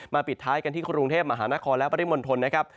ปิดท้ายกันที่กรุงเทพมหานครและปริมณฑลนะครับ